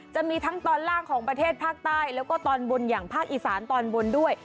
จะมีทั้งตอนล่างของประเทศภาคใต้แล้วก็ตอนบนอย่างภาคอีสานตอนบนด้วย